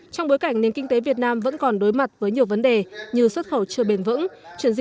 trong bối cảnh nền kinh tế việt nam vẫn còn đối mặt với nhiều vấn đề như xuất khẩu chưa bền vững